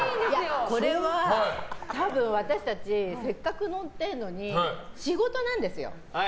これは多分私たちせっかく乗ってるのに仕事なんですよ。